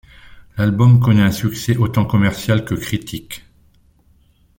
L'album connait un succès autant commercial que critique.